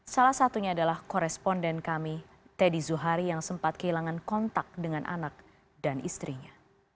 salah satunya adalah koresponden kami teddy zuhari yang sempat kehilangan kontak dengan anak dan istrinya